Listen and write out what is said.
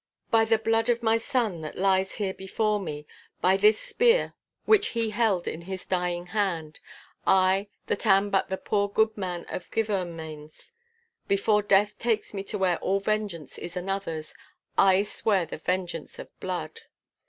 'By the blood of my son that lies here before me, by this spear which he held in his dying hand, I, that am but the poor goodman of Girvanmains, before death takes me to where all vengeance is Another's, I swear the vengeance of blood!